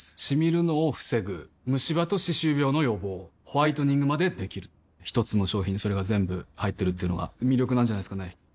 シミるのを防ぐムシ歯と歯周病の予防ホワイトニングまで出来る一つの商品にそれが全部入ってるっていうのが魅力なんじゃないですかね